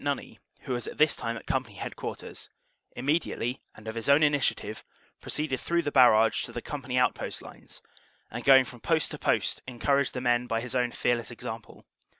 Nunney, who was at this time at company headquarters, immediately and of his own initiative proceeded through the barrage to the company outpost lines, and going from post to post encouraged the men by his own fearless example.